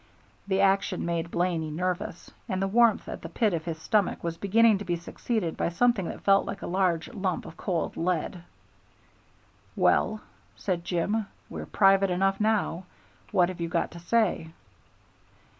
The action made Blaney nervous, and the warmth at the pit of his stomach was beginning to be succeeded by something that felt like a large lump of cold lead. "Well," said Jim, "we're private enough now. What have you got to say?"